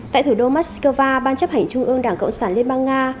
tại thủ đô moscow ban chấp hành trung ương đảng cộng sản liên bang nga